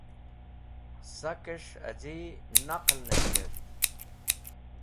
Sakes̃h az̃i naql’nes̃h kert.